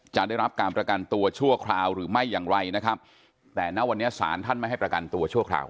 จะได้รับการประกันตัวชั่วคราวหรือไม่อย่างไรนะครับแต่ณวันนี้ศาลท่านไม่ให้ประกันตัวชั่วคราว